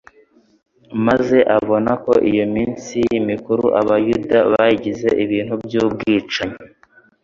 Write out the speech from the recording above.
maze abona ko iyo minsi mikuru abayuda babihinduye ibintu by’ubwicanyi